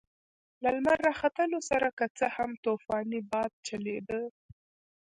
له لمر راختلو سره که څه هم طوفاني باد چلېده.